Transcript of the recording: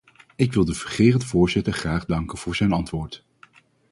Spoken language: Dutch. Ik wil de fungerend voorzitter graag danken voor zijn antwoord.